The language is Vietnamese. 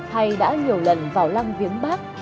hay đã nhiều lần vào lăng viếng bác